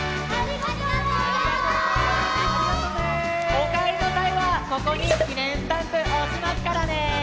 おかえりのさいはここにきねんスタンプおしますからね！